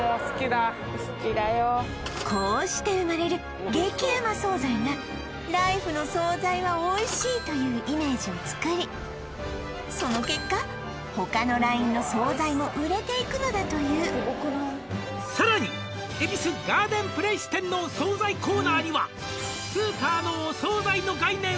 こうして生まれる激ウマ惣菜が「ライフの惣菜はおいしい」というイメージをつくりその結果他のラインの惣菜も売れていくのだという「さらに恵比寿ガーデンプレイス店の惣菜コーナーには」